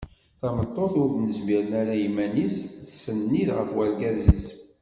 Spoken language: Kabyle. Tameṭṭut ur nezmir ara i yiman-is tettsennid ɣef urgaz-is.